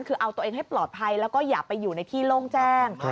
คือเอาตัวเองให้ปลอดภัยแล้วก็อย่าไปอยู่ในที่โล่งแจ้ง